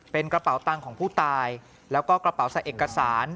เป็นกระเป๋าตังค์ของผู้ตายแล้วก็กระเป๋าใส่เอกสาร